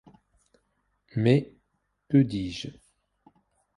Mais que dis-je ?